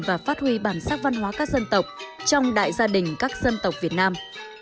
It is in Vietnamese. và phát huy bản sắc văn hóa các dân tộc trong đại gia đình các dân tộc việt nam